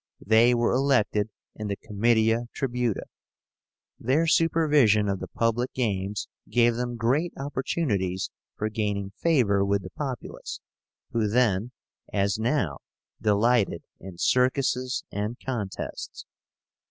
They were elected in the Comitia Tributa. Their supervision of the public games gave them great opportunities for gaining favor with the populace, who then, as now, delighted in circuses and contests.